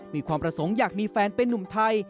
มีความประสงค์อยากมีแฟนเป็นนุ่มไทย